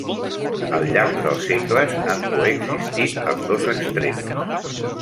Al llarg dels segles han coexistit els dos extrems.